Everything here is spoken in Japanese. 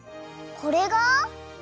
これが！？